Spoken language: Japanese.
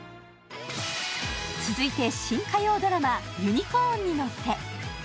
続いて、新火曜ドラマ「ユニコーンに乗って」。